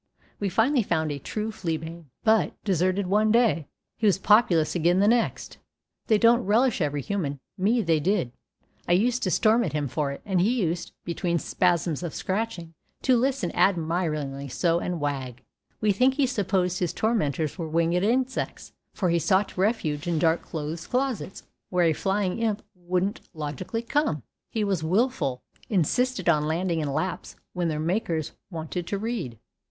We finally found a true flea bane, but, deserted one day, he was populous again the next. They don't relish every human; me they did; I used to storm at him for it, and he used, between spasms of scratching, to listen admiringly and wag. We think he supposed his tormentors were winged insects, for he sought refuge in dark clothes closets where a flying imp wouldn't logically come. He was wilful, insisted on landing in laps when their makers wanted to read.